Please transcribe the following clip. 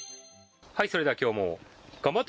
はいそれでは今日も頑張っていきましょう。